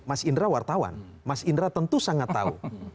mas indra wartawan mas indra tentu sangat tahu